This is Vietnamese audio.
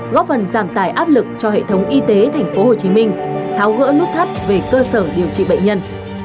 góp phần giảm tài áp lực cho hệ thống y tế tp hcm tháo gỡ nút thắt về cơ sở điều trị bệnh nhân